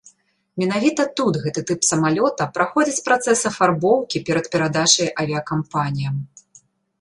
Менавіта тут гэты тып самалёта праходзіць працэс афарбоўкі перад перадачай авіякампаніям.